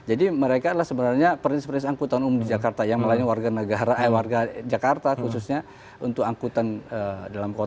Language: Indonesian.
jadi mereka adalah sebenarnya perintis perintis angkutan umum di jakarta yang melayani warga negara eh warga jakarta khususnya untuk angkutan dalam kota